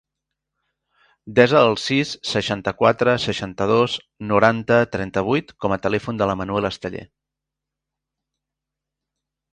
Desa el sis, seixanta-quatre, seixanta-dos, noranta, trenta-vuit com a telèfon de la Manuela Esteller.